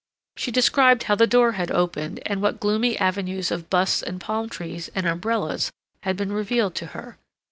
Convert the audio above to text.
She described how the door had opened, and what gloomy avenues of busts and palm trees and umbrellas had been revealed to her.